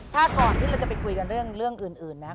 ถ้าก่อนที่เราจะไปคุยกันเรื่องอื่นนะครับ